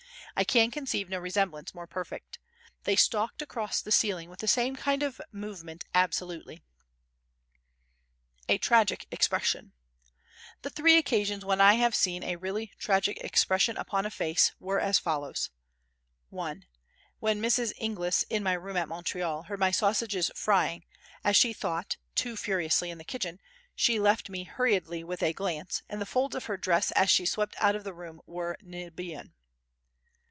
I can conceive no resemblance more perfect. They stalked across the ceiling with the same kind of movement absolutely. A Tragic Expression The three occasions when I have seen a really tragic expression upon a face were as follows:— (1) When Mrs. Inglis in my room at Montreal heard my sausages frying, as she thought, too furiously in the kitchen, she left me hurriedly with a glance, and the folds of her dress as she swept out of the room were Niobean.